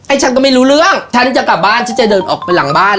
ฉันก็ไม่รู้เรื่องฉันจะกลับบ้านฉันจะเดินออกไปหลังบ้าน